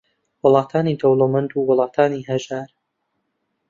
وڵاتانی دەوڵەمەند و وڵاتانی ھەژار